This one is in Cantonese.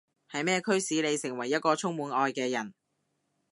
係咩驅使你成為一個充滿愛嘅人？